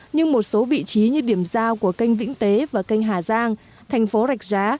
nhưng một số vị trí như điểm giao của canh vĩnh tế và kênh hà giang thành phố rạch giá